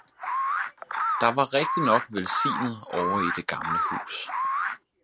– der var rigtig nok velsignet ovre i det gamle hus.